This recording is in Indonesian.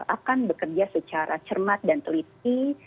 akan bekerja secara cermat dan teliti